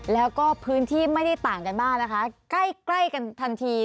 แล้วก็พื้นที่ไม่ได้ต่างกันมากนะคะใกล้ใกล้กันทันที